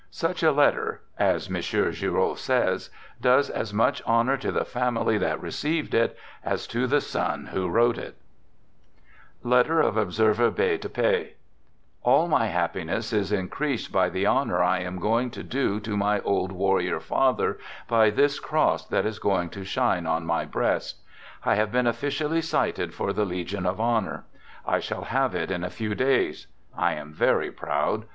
Such a letter, as M. Giraud says, does as much honor to the family that received it as to the son who wrote it : (Letter of Observer B de P ) All my happiness is increased by the honor I am going to do to my old warrior father by this cross that is going to shine on my breast. I have been officially cited for the legion of honor. I shall have it in a few days. I am very proud.